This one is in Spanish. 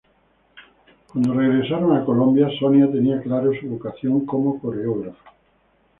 Cuando regresaron a Colombia, Sonia tenía claro su vocación como coreógrafa.